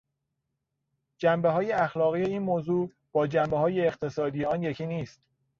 جنبههای اخلاقی این موضوع با جنبههای اقتصادی آن یکی نیست.